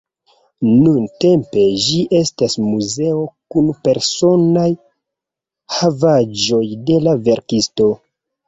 Nuntempe ĝi estas muzeo kun personaj havaĵoj de la verkisto.